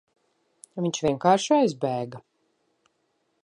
Viņš vienkārši aizbēga.